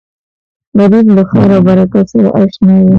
غریب له خیر او برکت سره اشنا وي